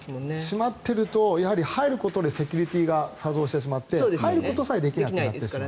閉まっていると入ることでセキュリティーが作動してしまって入ることさえできなくなってしまう。